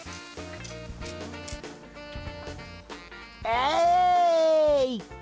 えい！